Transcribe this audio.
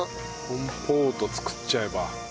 コンポート作っちゃえば。